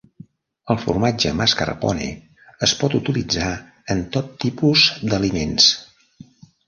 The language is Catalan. El formatge mascarpone es pot utilitzar en tot tipus d'aliments.